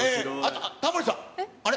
タモリさん、あれ？